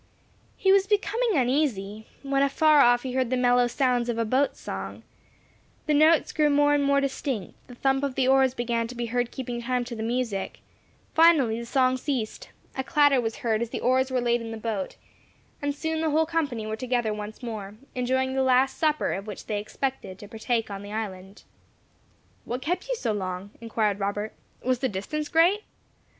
He was becoming uneasy, when afar off he heard the mellow sounds of a boat song; the notes grew more and more distinct; the thump of the oars began to be heard keeping time to the music; finally, the song ceased; a clatter was heard as the oars were laid in the boat; and soon the whole company were together once more, enjoying the last supper of which they expected to partake on the island. "What kept you so long?" inquired Robert. "Was the distance great?"